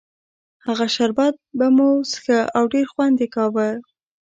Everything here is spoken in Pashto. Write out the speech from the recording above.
هغه شربت به مو څښه او ډېر خوند یې کاوه.